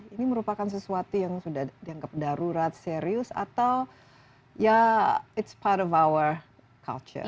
ini merupakan sesuatu yang sudah dianggap darurat serius atau ya it's part of our culture